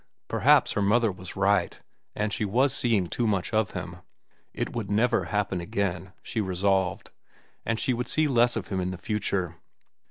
Perhaps her mother was right, and she was seeing too much of him. It would never happen again, she resolved, and she would see less of him in the future.